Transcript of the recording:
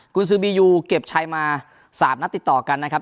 คุณซื้อบียูเก็บชัยมา๓นัดติดต่อกันนะครับ